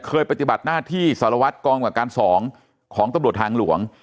ปฏิบัติหน้าที่สารวัตรกองกับการ๒ของตำรวจทางหลวง